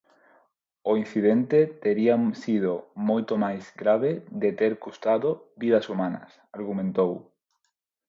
O incidente tería sido moito máis grave de ter custado vidas humanas, argumentou.